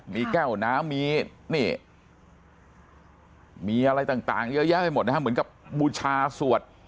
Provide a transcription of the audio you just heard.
มีแก้วน้ำมีนี่มีอะไรต่างเยอะแยะไปหมดนะฮะเหมือนกับบูชาสวด